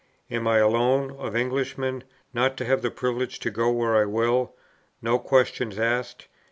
am I alone, of Englishmen, not to have the privilege to go where I will, no questions asked?